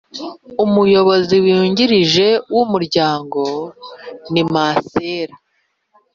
umuyobozi Wungirije w uwo muryango ni Masera